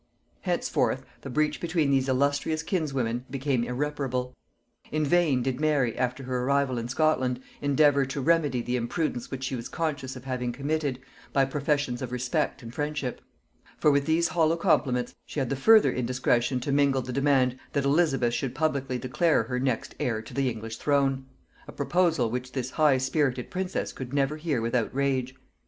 Henceforth the breach between these illustrious kinswomen became irreparable. In vain did Mary, after her arrival in Scotland, endeavour to remedy the imprudence which she was conscious of having committed, by professions of respect and friendship; for with these hollow compliments she had the further indiscretion to mingle the demand that Elizabeth should publicly declare her next heir to the English throne; a proposal which this high spirited princess could never hear without rage.